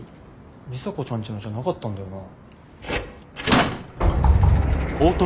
里紗子ちゃんちのじゃなかったんだよな。